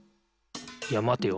いやまてよ。